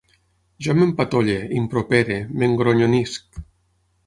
Jo m'empatolle, impropere, m'engronyonisc